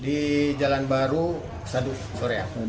di jalan baru sadu sore